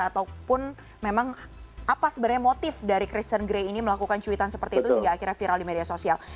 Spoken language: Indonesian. ataupun memang apa sebenarnya motif dari kristen gray ini melakukan cuitan seperti itu hingga akhirnya viral di media sosial